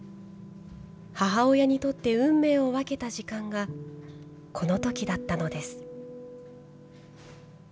母親にとって運命を分けた時間が、このときだったのです。